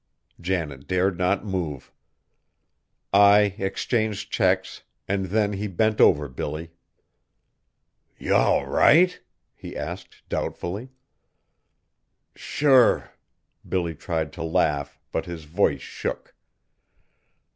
Janet dared not move. Ai exchanged checks, and then he bent over Billy. "Ye all right?" he asked doubtfully. "Sure." Billy tried to laugh, but his voice shook.